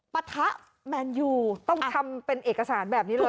ปะทะแมนยูต้องทำเป็นเอกสารแบบนี้เลย